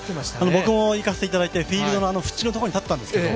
僕も行かせていただいてフィールドのふちのところに立ったんですけど、